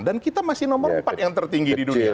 dan kita masih nomor empat yang tertinggi di dunia